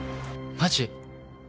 マジ。